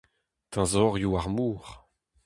Teñzorioù ar mor.